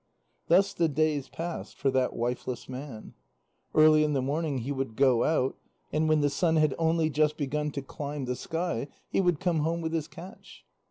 Thus the days passed for that wifeless man. Early in the morning he would go out, and when the sun had only just begun to climb the sky, he would come home with his catch.